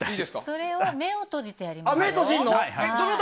それを目を閉じてやりましょう。